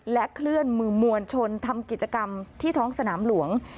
เคลื่อนมือมวลชนทำกิจกรรมที่ท้องสนามหลวง